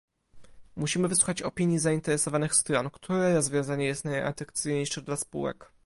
Musimy wysłuchać opinii zainteresowanych stron, które rozwiązanie jest najatrakcyjniejsze dla spółek